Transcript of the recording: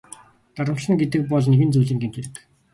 Дарамтална гэдэг бол нэгэн зүйлийн гэмт хэрэг.